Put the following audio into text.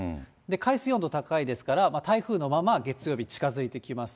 海水温度高いですから、台風のまま月曜日近づいてきます。